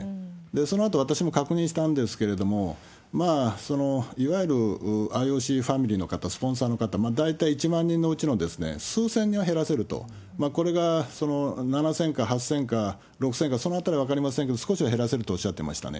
そのあと、私も確認したんですけれども、いわゆるＩＯＣファミリーの方、スポンサーの方、大体１万人のうちの数千人は減らせると、これが７０００か８０００か６０００か、そのあたり分かりませんけれども、少しは減らせるとおっしゃってましたね。